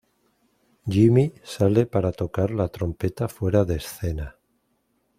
Jimmy sale para tocar la trompeta fuera de escena.